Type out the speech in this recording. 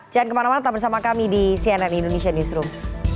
jangan kemana mana tetap bersama kami di cnn indonesia newsroom